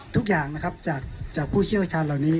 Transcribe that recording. ทุกอย่างนะครับจากผู้เชี่ยวชาญเหล่านี้